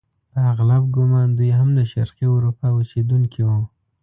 په اغلب ګومان دوی هم د شرقي اروپا اوسیدونکي وو.